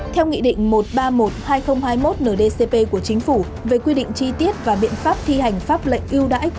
theo nghị định một trăm ba mươi một hai nghìn hai mươi một ndcp của chính phủ về quy định chi tiết và biện pháp thi hành pháp lệnh ưu đãi